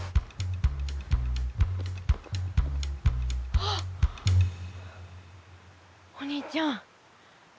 あ！お兄ちゃん。